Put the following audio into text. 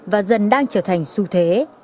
và dân đang trở thành su thế